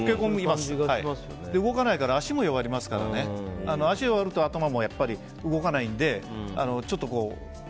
動かないから足も弱りますから足が弱ると頭も動かないので